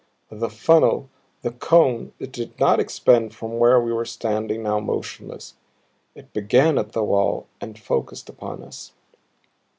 The funnel, the cone, did not expand from where we were standing, now motionless. It began at the wall and focused upon us.